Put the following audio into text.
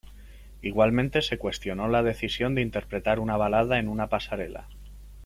Igualmente, se cuestionó la decisión de interpretar una balada en una pasarela.